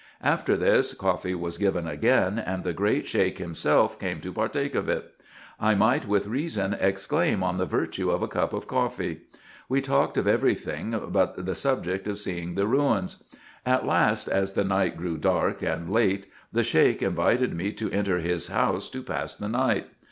After this, coffee was given again, and the great Sheik himself came to partake of it. I might with reason exclaim on the virtue of a cup of coffee. We talked of every thing but the subject of seeing the ruins. At last, as the night grew dark and late, the Sheik invited me to enter his house to pass the night.